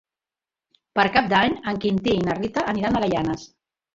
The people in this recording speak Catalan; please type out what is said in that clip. Per Cap d'Any en Quintí i na Rita aniran a Gaianes.